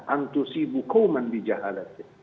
antusibu qauman bijahalat